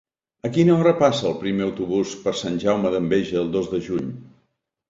A quina hora passa el primer autobús per Sant Jaume d'Enveja el dos de juny?